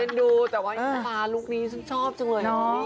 เล่นดูแต่ว่าอิงฟ้าลูกนี้ชอบจังเลย